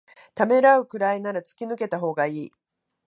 ためらうくらいなら突き抜けたほうがいい